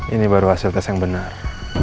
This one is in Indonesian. ini baru hasil tes yang benar